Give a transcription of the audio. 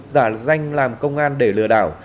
giả danh làm công an để lừa đảo